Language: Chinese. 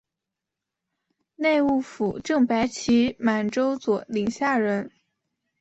内务府正白旗满洲佐领下人。